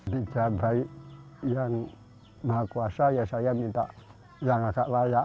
di jalan baik yang maha kuasa ya saya minta yang agak layak